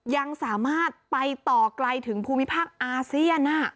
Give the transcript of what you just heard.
ยังสามารถไปต่อไกลถึงภูมิภาคอาเซียน